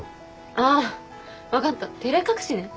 ああ分かった照れ隠しね。